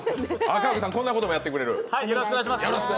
赤荻さん、こんなこともやってくれる。